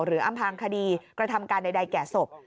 อำพางคดีกระทำการใดแก่ศพ